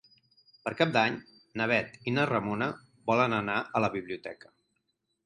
Per Cap d'Any na Bet i na Ramona volen anar a la biblioteca.